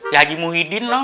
jadi muhidin loh